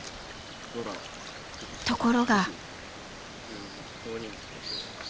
ところが。